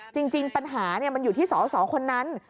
จริงปัญหามันอยู่ที่สสคนนั้น